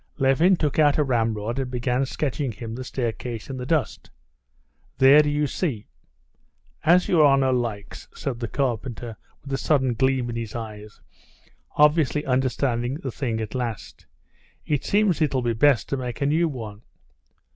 Levin took out a ramrod and began sketching him the staircase in the dust. "There, do you see?" "As your honor likes," said the carpenter, with a sudden gleam in his eyes, obviously understanding the thing at last. "It seems it'll be best to make a new one."